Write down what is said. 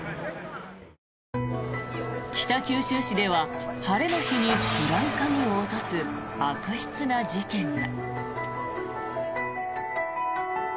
北九州市では晴れの日に暗い影を落とす悪質な事件が。